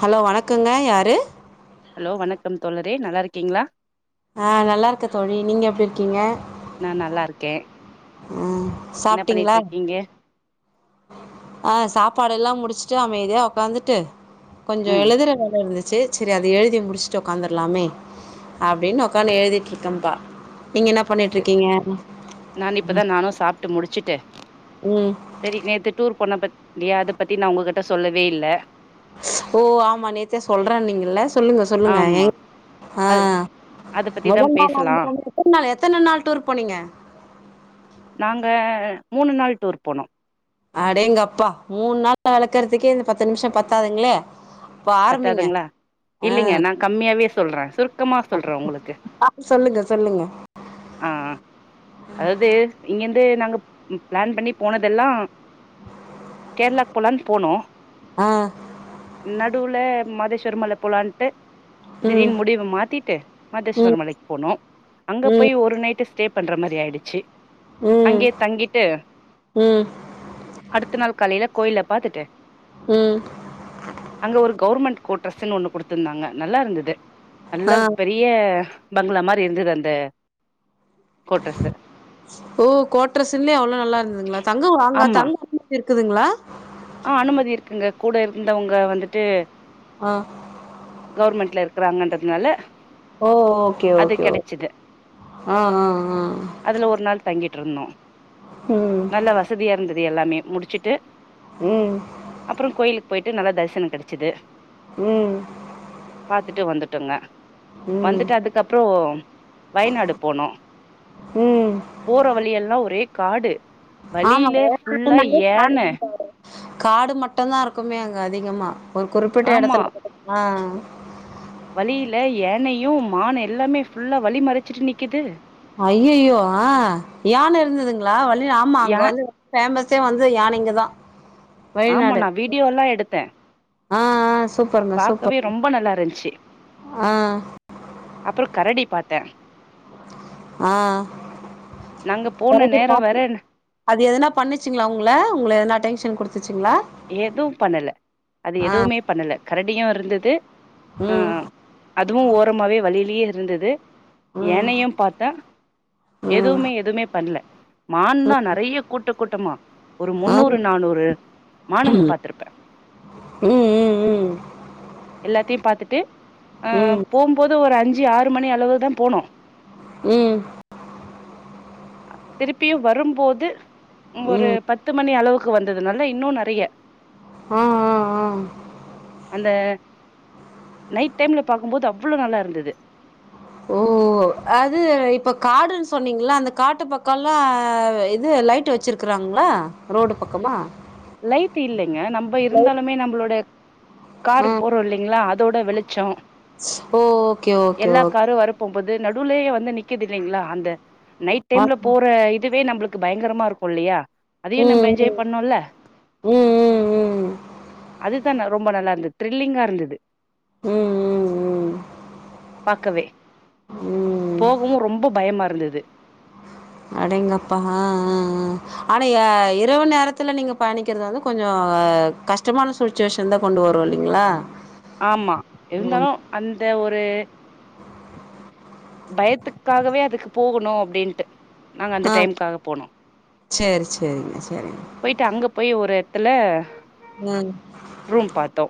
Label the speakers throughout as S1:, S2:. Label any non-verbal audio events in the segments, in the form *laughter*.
S1: Hello வணக்கங்க யாரு
S2: hello வணக்கம் தோழரே நல்லா இருக்கீங்களா
S1: ஆ நல்லா இருக்கே தோழி நீங்க எப்டி இருக்கீங்க
S2: நா நல்லா இருக்கே
S1: உம்
S2: என்ன பண்ணிட்டு இருக்கீங்க
S1: அ சாப்பாடு எல்லாம் முடிச்சுட்டு அமைதியா உக்காந்துட்டு கொஞ்ச
S2: ம்
S1: எழுதுற வேல இருந்துச்சு சேரி சேரி அத எழுதி முடிச்சுட்டு உக்காந்துருலாமே அப்டினு உ்க்காந்து எழுதிட்டுருக்கேப்பா
S2: நான் இப்பதா நானு சாப்ட்டு முடுச்சுட்டே
S1: ம்
S2: சரி நேத்து டூர் போ உன்ன பத்தி நி அத பத்தி நா உங்ககிட்ட சொல்லவே இல்ல
S1: ஓ ஆமா நேத்தே சொல்றேனீங்கள சொல்லுங்க சொல்லுங்க
S2: ஆமா
S1: ஆ
S2: அது அத பத்திதா
S1: மொதல் நாள்
S2: பேசலா
S1: ஆரம்பிக்கு போது எத்தன நாள் எத்தன நாள் டூர் போனீங்க
S2: மூனு நாள் ட்டூர் போனோ
S1: அடேங்கப்பா மூனு நாள் வெளக்குறதுக்கே இந்த பத்து நிமிஷோ பத்தாதுங்ளே
S2: பத்தாதுங்ளா இல்லைங்க நா
S1: ஆ
S2: கம்மியாவே சொல்றே சுருக்கமா சொல்றே ஒங்களுக்கு
S1: சொல்லுங்க சொல்லுங்க
S2: ஆ-ஆ அதாவது இங்கந்து நாங்க பிளான் பண்ணி போனதெல்லா கேரளா போலானு போனோ
S1: ஆ
S2: மா மதேஸ்வர மல போலான்ட்டு
S1: ம்
S2: திடீர்னு முடிவ மாத்திட்டு மாதேஸ்வர
S1: ம்
S2: மலைக்கு போனோ அங்க
S1: ம்
S2: போய் ஒரு நைட்டு ஸ்டே பண்ற மாரி ஆயிடுச்சு
S1: ம்
S2: அங்கேயே தங்கிட்டு
S1: ம்
S2: அடுத்த நாள் காலையில கோயில பாத்துட்டே
S1: உம்
S2: அங்க ஒரு கௌவுர்மெண்ட் கோட்ரெஸ்ன்னு ஒன்னு குடுத்ருந்தாங்க நல்லா இருந்தது
S1: ஆ
S2: நல்ல பெரிய பங்களா மாரி இருந்தது அந்த கோட்ரஸ்ஸு
S1: ஓ கோட்ரஸுல்லே அவ்ளோ நல்லா இருந்துதுங்ளா தங்க வாங்க
S2: ஆமா
S1: தங்க இருக்குதுங்ளா
S2: ஆ அனுமதி இருக்குங்க கூட இருந்தவங்க வந்துட்டு
S1: ஆ
S2: கௌவுர்மெண்ட்ல இருக்குறாங்கன்றததுனால
S1: ஓ ஓகே-ஓகே ஓ ஆ-ஆ
S2: ட்ருந்தோ நல்ல வசதியா இருந்து து எல்லாமே முடிச்சுட்டு
S1: ம்
S2: அப்புறோ கோயிலுக் போயிட்டு நல்லா தரிசனோ கெடச்சது
S1: ம்
S2: பாத்துட்டு வந்துட்டோங்க
S1: ம்
S2: வந்துட்டு அதுக்கப் அப்றோ வயநாடு போனோ
S1: ம்
S2: போற வழியெல்லா ஒரே காடு வழியில
S1: ஆமாங்க
S2: ஃபுல்லா யான
S1: *unintelligible* காடு மட்டுதா இருக்குமே அங்க அதிகமா ஒரு குறிப்பிட்ட
S2: ஆமா
S1: இடத்துல *inaudible* ஆ *inaudible*
S2: வழியில ஏனையு மான் எல்லாமே ஃபுல்லா வழி மறச்சிட்டு நிக்குது
S1: ஐய்அய்யோ ஆ யான இருந்ததுங்களா வ ஆமா அங்க
S2: யா
S1: வந்து ஃபேமஸ் த்தே வந்து யானைங்க தா
S2: ஆமா நா வீடியோல்லா எடுத்தே
S1: ஆ ஆ சூப்பர்ங்க
S2: பாக்கவே
S1: சூப்பர்
S2: ரொம்ப நல்லா இருந்துச்சு
S1: ஆ
S2: அப்புறோ கரடி பாத்தே
S1: ஆ
S2: நாங்க போன நேரோ வேற
S1: *unintelligible* அது எதனா பண்ணிச்சிங்களா உங்கள உங்கள எனா டென்ஷன் குடுத்
S2: எதுவு பண்ணல அது
S1: ஆ
S2: எதுவுமே பண்ணல கரடியு இருந்தது ஆ
S1: ம்
S2: அதுவு ஓரமாவே வழியிலேயே இ இருந்தது
S1: ம்
S2: ஏனையு பாத்த
S1: ம்
S2: எதுவுமே எதுவுமே பண்ணல மான்தா
S1: ம்
S2: நெறைய கூட்ட கூட்டமா ஒரு
S1: ஆ
S2: முன்னூறு
S1: ம்
S2: நானூறு மானுங்க பாத்திருப்பே
S1: ம்
S2: எல்லாத் டீ பாத்துட்டு அ
S1: ம்
S2: போம்போது ஒரு அஞ்சு ஆ ஒரு மணி அளவுதா போனோ
S1: ம்
S2: திருப்பியு வருபோது
S1: ம்
S2: ஒரு
S1: ம்
S2: பத்து மணி அளவுக்கு வந்தது நல்ல இன்னு நல்ல ட்ரிய
S1: ஆ ஆ ஆ
S2: அந்த நைட் டைம்ல பாக்குபோது அவ்ளோ நல்லா இருந்தது
S1: ஓ அது இப்ப காடுன்னு சொன்னீங்களா அந்த காட்டு பக்கல்லா இது லைட் வச்சிருக்கறாங்களா ரோடு பக்கமா
S2: லைட்டு இல்லை ங்க நம்ம இருந்தாலுமே நம்மளோட
S1: ஆ
S2: காரு போறோ இல்லிங்களா அது தோட வெளிச்சோ
S1: ஓ ஓகே ஓகே ஓக்
S2: போது நடுலேயே வந்து நிக்குது இல்லிங்களா அந்த நைட் டைம்ல போற இதுவே நம்மளுக்கு பயங்கரமா இருக்கு இல்லியா அதையு நம்ம
S1: ம்
S2: என்ஜாய் பண்ணும்ல
S1: ம் ம் ம் ம்
S2: அதுதா ரொம்ப நல்லா இருந்தது திர்ல்லிங்கா இருந்தது
S1: ம் ம்
S2: பாக்கவே
S1: ம் ம்
S2: போகு ரொம்ப பயமா இருந்தது
S1: அடேங்கப்பா அ அ அ ஆனா எ இரவு நேரத்துல நீங்க பயணிக்குரது வந்து கொஞ்சோ கஷ்டமான சுட்டிவேஷன் தா கொண்டு வரு இல்லிங்களா
S2: ஆமா இருந்தாலு அந்த ஒரு ஒரு பயத்துக்காகவே அதுக்கு போகணு அப்டின்ட்டு நாங்க அந்த
S1: ஆ
S2: டைம்காக போனோ
S1: சேரி சேரிங்க சேரிங்க
S2: போயிட்டு அங்க போய் ஒரு த்துல
S1: ம்
S2: ரூம் பார்த்தோ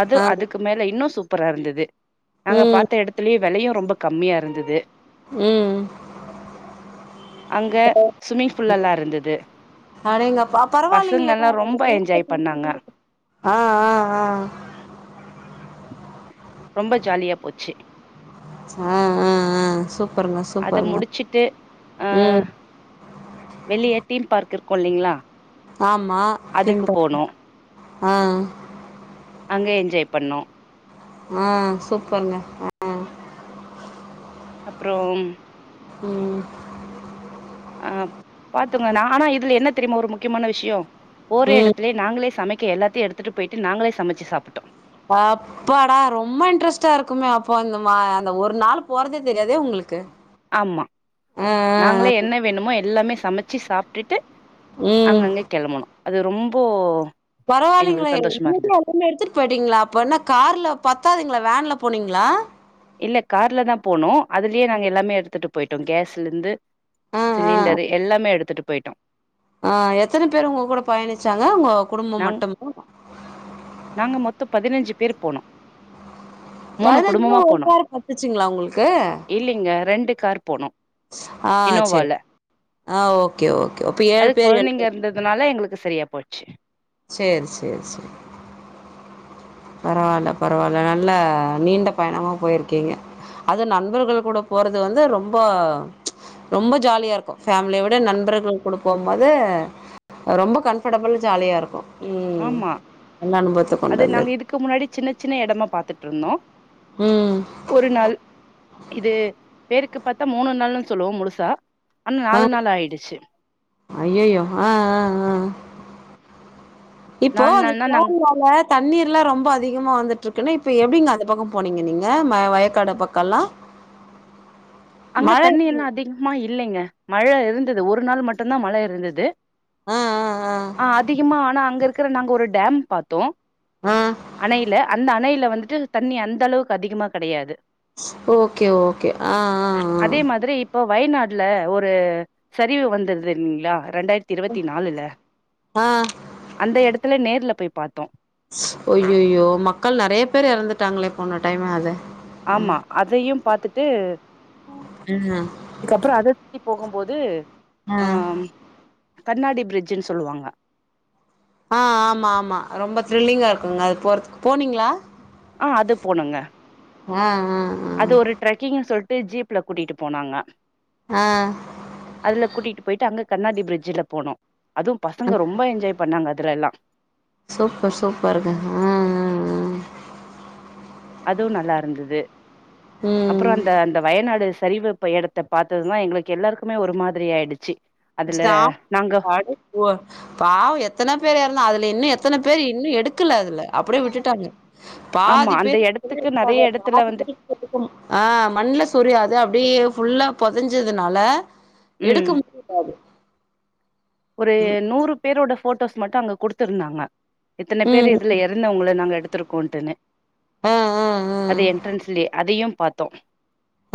S2: அது
S1: ஆ
S2: அதுக்கு மேல இன்னு சூ ப்பரா இருந்துது நாங்க
S1: ம்
S2: பார்த்த இடத்துலயு வெலையு ரொம்ப கம்மியா இருந்துது
S1: ம்
S2: அங்க ஸ்விம்மிங் பூல் எல்லா இருந்தது
S1: அடேங்கப்பா பரவாயில்லைங்களே
S2: பசங்கல்லா ரொம்ப என்ஜாய் பண்ணாங்க
S1: கா *inaudible* ஆ ஆ ஆ
S2: ரொம்ப ஜாலியா போச்சு
S1: ஆ ஆ ஆ சூப்பருங்க
S2: அது
S1: சூப்பருங்க
S2: முடிச்சுட்டு
S1: ம்
S2: வெளியே டீம் பார்க் இருக்கு இல்லிங்களா
S1: ஆமா தீம் பார்க் அ
S2: அங்கே என்ஜாய் பண்ணோ
S1: ம் சூப்பர்ங்க ஹ்ஹு
S2: அப்புறோ
S1: ம்
S2: ஆ பாத்துங்க ந ஆனா இதுல என்ன தெரியுமா ஒரு முக்கியமான விஷயோ போற
S1: ம்
S2: இடத்திலே நாங்களே சமைக் கே எல்லாத்தையு எடுத்துட்டு போயிட்டு நாங்களே சமைச்சுாப்பிட்டோ
S1: அப்பாடா ரொம்ப இன்ட்ரெஸ்டா இருக்குமே அப்போ இந்த மா அந்த ஒரு நாள் போறதே தெரியாதே உங்களுக்கு
S2: ஆமா
S1: ஆ ஆ
S2: நாங்களே என்ன வேணுமோ எல்லாமே சமைச்சி சாப்பிட்டுட்டு
S1: ம்
S2: அங்கங்க கெளம்புனோ அது ரொம்போ
S1: பரவாயில்லைங்களே
S2: எங்களுக்கு சந்தோஷமா
S1: இங்கயே
S2: இருந்தது.
S1: எல்லாமே எடுத்துட்டு போயிட்டீங்களா அப்ப என்ன கார்ல பத்தாதுங்களே வேன்ல போனீங்களா
S2: இல்ல கார்ல தா போணோ அதுலயே நாங்க எல்லாமே எடுத்துட்டு போயிட்டோ கேஸ்லருந்து
S1: ஆ ஆ
S2: சிலிண்டர் எல்லாமே எடுத்துட்டு போயிட்டோ
S1: ஆ எத்தன பேரு உங்க கூட பயணிச்சாங்க உங்க குடும்போ
S2: நாங்
S1: மட்டுமா
S2: பேரு போணு
S1: பதினஞ்சுமா காரு பத்துச்சுங்களா உங்களுக்கு
S2: இல்லைங்க கார் போனோம்.
S1: ஆ செரி
S2: இனோவால.
S1: ஆ ஓகே ஓகே அப்ப ஏழு
S2: அது
S1: பேர் ஏழு
S2: கொழந்தைங்க
S1: பேர்
S2: இருந்ததுனால எங்களுக்கு சரியா போச்சு
S1: செரி செரி செரி பரவாயில்ல பரவாயில்ல நல்ல நீண்ட பயணமா போயிருக்கீங்க அது நண்பர்கள் கூட போறது வந்து ரொம்ப ரொம்ப ஜாலியா இருக்கு ஃபேமிலிய விட நண்பர்கள் கூட போகு போது ரொம்ப கம்ஃபர்டபுள் ஜாலியா இருக்கு ம் நல்ல அனுபவத்த கொண்டு வந்தது
S2: க்கு முன்னாடி சின்ன சின்ன எடமா பாத்துட்டு இருந்தோ
S1: ம்
S2: ஒரு நாள் இது பேருக்கு பார்த்தா மூணு நாள்ன்னனு சொல்லுவோ முழுசா ஆனா
S1: ஆ
S2: நாள் ஆயிடுச்சு.
S1: அஐய்யோ ஆ ஆ ஆ இப்போ அந்த
S2: நாள்னா
S1: *inaudible*
S2: நாங்க
S1: வோல தண்ணீர்ல்லா ரொம்ப அதிகமா வந்துட்டு இருக்குன்ன இப்ப எப்படிங்க அது பக்கம் போனீங்க நீங்க வயக்காடு பக்கம்ல்லா
S2: அங்க தண்ணி எல்லா அதிகமா இல்லைங்க மழ இருந்தது ஒரு நாள் மட்டும்தா மழ இருந்துது ஆ அதிகமா ஆனா அங்க இருக் இருக்கிற நாங்க ஒரு டேம் பார்த்தோ
S1: ஆ
S2: அணையில அந்த அணையில வந்துட்டு தண்ணி அந்த அளவுக்கு அதிகமா கெடையாது
S1: ஓகே ஓகே ஆ ஆ
S2: அதே மாதிரி இப் இப்போ வயநாட்ல ஒரு சரிவு வந்துதுங்கிளா இரண்டாயிரத்தி இருவத்தி நாலுல
S1: ஆ ஆ
S2: அந்த இடத்து த்துல நேர்ல போய் பார்த்தோ
S1: அய்யோய்யோ மக்கள் நிறைய பேர் இறந்துட்டாங்களே போன டைம் அத
S2: ஆமா அதையு பாத்துட் டு
S1: ம்
S2: அதுக்கப்புறோ அதிதி போகு போது
S1: ம்
S2: கண்ணாடி பிரிட்ஜுன்னு சொல்லுவாங்க
S1: ஆ ஆமா ஆமா ரொம்ப த்ரில்லிங்கா இருக்குங்க அது போறதுக்கு போனீங்களா
S2: ஆ அது போனுங்க
S1: ஆ ஆ ஆ
S2: அது ஒரு ட்ரக்கிங் சொல்ட் த்து ஜீப்ல கூட்டிட்டு போனாங்க
S1: ஆ
S2: அதுல கூட்டிட்டு போயிட்டு அங்க கண்ணாடி பிரிட்ஜுல போனோ அதுவு பசங்க ரொம்ப என்ஜாய் பண்ணாங்க இதுலல்லா
S1: சூப்பர் சூப்பருங்க அ அ அ
S2: அதுவு நல்லா இருந்துது
S1: ஆ
S2: அப்புறோ
S1: ம்
S2: அந்த அந்த வயநாடு சரிவப்ப இடத்த பார்த்ததுதா எங்களுக்கு எல்லாருக்குமே ஒரு மாதிரி ஆயிடுச்சு அதுல
S1: கஷ்டோ
S2: நாங்க
S1: *unintelligible* பாவ எத்தன பேரு எறந்த அதுல இன்னு எத்தன பேரு இன்னு எடுகல துல அப்டி விட்டுடாங்க
S2: ஆமா
S1: பாதி
S2: அந்த
S1: பேரு
S2: எடத்துக்கு
S1: *inaudible*
S2: நெறைய எடத்துல வந்துட்டு
S1: பாதி மண்ல சொரிய அதுஅப்டி ஃபுல்லா பொதஞ்சதுனால
S2: ம்
S1: எடுகும்
S2: ஒரு நூறு பேரோட போடோஸ் மட்டு அங்க குடுதுருதாங்க எத்தன பேர்
S1: ம்
S2: இதுல எறந்தவகள நாங்க எடுதிருக் கொண்டுணு
S1: ஆ ஆ ஆ
S2: அது என்ட்ரன்ஸ்லயே அதையு பாத்தோ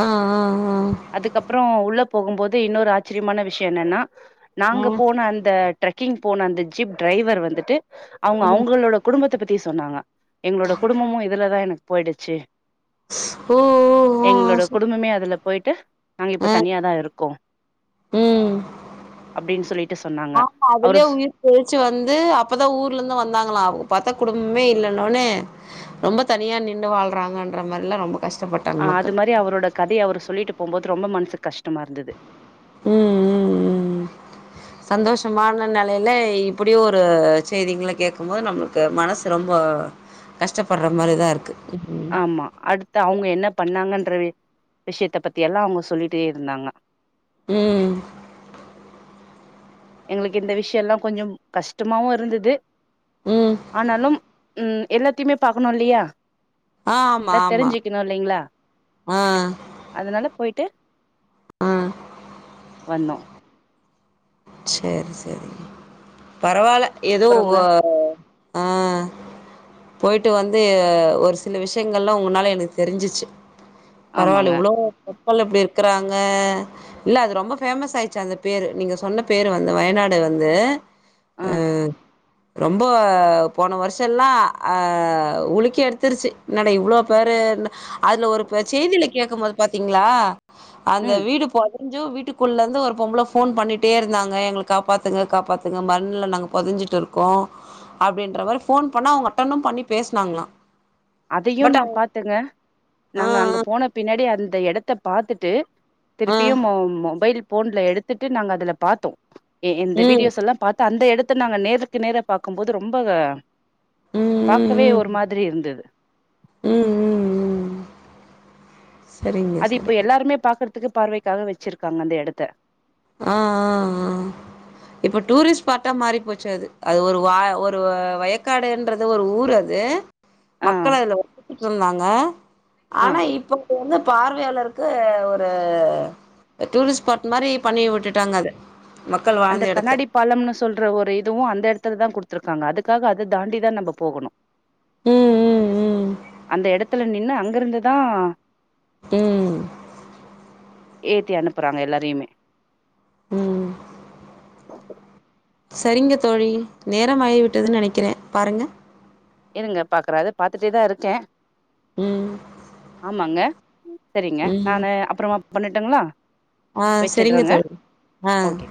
S1: ஆ ஆ ஆ
S2: போகுபோது இனொரு ஆசரியமான விஷயோ என்னனா நாங்க
S1: ம்
S2: போன அந்த ட்ரெகிங் போன அந்த ஜீப் டிரைவர் வந்துட்டு அவங்க அவங்களோட குடும்பத்த பத்தி த்தி சொனாங்க எங்களோட குடும்பமு இதுலதா எனகு போயிடுச்சு
S1: ஓ ஓ ஆ
S2: எங்களோட
S1: சூப்
S2: குடும்பமே அதுல போயிட்டு நாங்க இப்போ
S1: ஆ
S2: தனியாதா இருகோ
S1: ம்
S2: அப்டின் சொலிட்
S1: ஆமா அதுலயே உயிர் பொய்ச்சு வந்து அபதா ஊர்ல இருந்து வந்தாங்களா அவ பாத்தா குடும்ப மே இலனோனே ரொம்ப தனியா நின்னு வால்றாங்கற மாரிலா ரொம்ப கஷ்டப்பட்டாங்க
S2: ஆ அது
S1: மக்கள்
S2: மாரி அவரோட கதைய அவர் சொல்லிட் போகுபோது ரொம்ப மனசுகு கஷ்டமா இருந்துது
S1: ம் ம் ம் சந்தோஷமான நெலயில இப்டி ஒரு செய்திகள கேட்க போது நம்மளுகு மனசு ரொம்ப கஷ்டபடுற மாரிதா இருக்கு ம்
S2: ஆமா அடுத் அவங்க என்ன பண்ணாகனு மற்ற விஷயத்த பத்தி எல்லா அவங்க சொலிட்டே இருந்தாங்க
S1: ம்
S2: எங்களுகு இந்த விஷயோ எல்லாகொஞ்ச கஷ்டமாவு இருந்துது
S1: ம்
S2: ஆனாலு ம் எல்லாதையுமே பாக்கணுலியா
S1: ஆ ஆமா
S2: எலா
S1: ஆமா
S2: தெரிஞ்சுகணு இலங்கிளா
S1: ஆ
S2: அதனால போயிட்டு
S1: ஆ
S2: வந்தோ
S1: செரி செரி பரவால்ல ஏதோ
S2: அப்புறங்க
S1: ஓவே ஆ போய்ட்டு வந்து ஒரு சில விஷ்யங்கள்லா உன்னால எனக்கு தெரிஞ்சிச்சு பரவால
S2: ஆமாங்க.
S1: இவ்ளோ அப்போல எப்டி இருக்கறாங்க இல்ல அது ரொம்ப ஃபேமஸ் ஆயீடுச்சு அது பேரு நீங்க சொன்னப் பேரு வந்து வயநாடு வந்து
S2: ஆ.
S1: ரொம்போ போன வருஷொல்லா உலக்கி எடுத்துருச்சு என்னடா இவ்ளோ பேரு என்ன அதுல ஒரு ப செய்தில கேட்கும் போது பாத் திங்ளா அந்த
S2: ம்.
S1: வீடு போது கொஞ்சோ வீட்டுக்குள்ள இருந்து ஒரு பொம்பள ஃபோன் பண்ணிட்டே இருக் நாங்க எங்கள காப்பாத்துங்க காப்பாத்துங்க மண்ல நாங்க பொதஞ்சிட்டு இருக்கோ அப்டின்ற மாரி ஃபோன் பண்ணா அவுங்க அட்டனும் பண்ணி பேசுனாங்களாம்
S2: அதையு
S1: பட்
S2: நா
S1: அவங்க
S2: பாத்தேங்க
S1: ஆ
S2: நாங்க அங்க போன பின்னாடி அது அந்த எடத்த பாத்துட்டு
S1: ஆ ஆ
S2: திருப்பியு மொ மொபைல் ஃபோன்ல எடுத்துட்டு நாங்க அதுல பாத்தோ எ எந்த
S1: ம்
S2: வீடியோஸ் எல்லா பாத் அந்த எடத்த நாங்க நேருக்கு நேர பாக்கும் போது ரொம்ப
S1: ம் ம்
S2: பாக்கவே ஒரு மாதிரி இருந்தது
S1: ம் ம் ம் ம் சரிங்க,
S2: அது
S1: சரிங்க. சரி.
S2: இப்ப எல்லாருமே பாக்றத் துக்கு பார்வைக்காக வச்சிருக்காங்க அந்த எடத்த
S1: ஆ ஆ ஆ ஆ இப்போ டூரிஸ்ட் ஸ்பாட்டா மாறி போச்சு அது அது ஒரு வா ஒரு வயக்காடுன்றது ஒரு ஊர் அது
S2: ஆ,
S1: மக்கள் அதுல வந்து உட்ருந்தாங்க
S2: ஆ.
S1: ஆனா இப்போ வந்து பார்வையாளர் க்கு ஒரு டூரிஸ்ட் ஸ்பாட் மாரி பண்ணி விட்டுட்டாங்க அத மக்கள்
S2: அந்த
S1: வாழ்ந்த எடத்த
S2: கண்ணாடி பாலம்னு சொல்ற ஒரு இதுவும் அந்தேடுத் திருதா குடுத்துருக்காங்க அதுக்காக அத தாண்டி தா நம்ப போகணும்
S1: ம் ம் ம்
S2: அந்த எடத் எடத்துல நின்னு அங்க இருந்துதா
S1: ம்
S2: ஏத்தி அனுப்புறாங்க எல்லாரையுமே *inaudible*
S1: செரிங்க தோழி நேரமாகி விட்டதுன்னு நெனைக்கிற பாருங்க
S2: இருங்க பாக்கற அது பாத்துட்டே தா இருக்கெ
S1: ம்
S2: ஆமாங்க சரிங்க
S1: ம்
S2: நானு அப்புறமா பண்ணட் இதுங்ளா
S1: ஆ செரிங்க தோழி ஆ
S2: ஓகே.